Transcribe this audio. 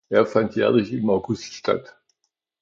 Er fand jährlich im August statt.